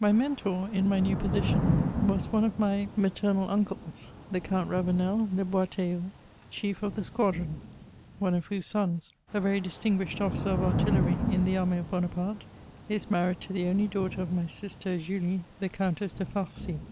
My Mentor, in my new position, was one of my maternal uncles, the Count Ravenel de Boisteilleul, chief of the squadron, one of whose sons, a very distmguished officer of artillery in the army of Buonaparte, is married to the only daughter of my sister Julie, the Countess de Farcy.